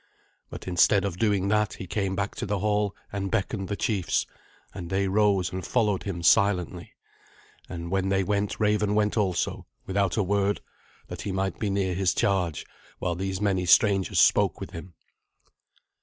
But instead of doing that, he came back to the hall and beckoned the chiefs, and they rose and followed him silently. And when they went Raven went also, without a word, that he might be near his charge while these many strangers spoke with him.